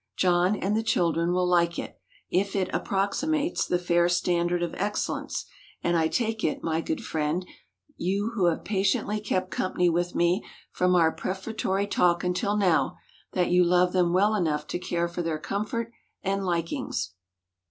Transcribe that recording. "John and the children" will like it, if it approximates the fair standard of excellence; and I take it, my good friend—you who have patiently kept company with me from our prefatory talk until now—that you love them well enough to care for their comfort and likings.